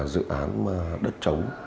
dự án đất trống